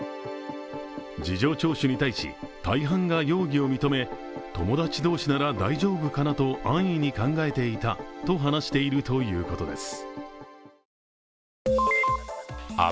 事情聴取に対し大半が容疑を認め友達同士なら大丈夫かなと安易に考えていたと話しているということです。